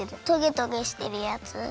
トゲトゲしてるやつ？